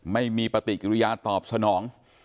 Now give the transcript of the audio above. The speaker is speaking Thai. ไม่มีปฏิกิริยาตอบสนอง